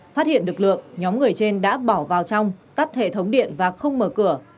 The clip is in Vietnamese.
phát hiện lực lượng nhóm người trên đã bỏ vào trong cắt hệ thống điện và không mở cửa